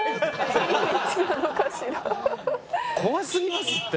怖すぎますって。